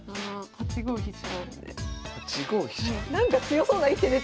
８五飛車。